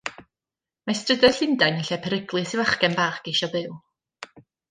Mae strydoedd Llundain yn lle peryglus i fachgen bach geisio byw.